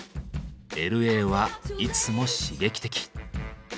Ｌ．Ａ．はいつも刺激的。